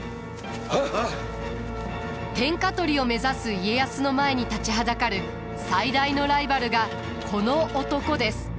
天下取りを目指す家康の前に立ちはだかる最大のライバルがこの男です。